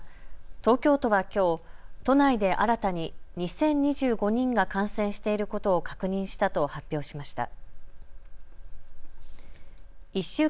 東京都はきょう都内で新たに２０２５人が感染していることを確認したと発表しました。